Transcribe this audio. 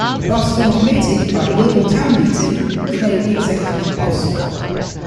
The Boston committee, by legal town-meeting, was made the executive of Boston.